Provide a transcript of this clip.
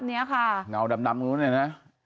เหงาดำแล้วไงนะ